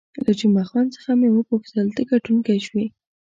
له جمعه خان څخه مې وپوښتل، ته ګټونکی شوې؟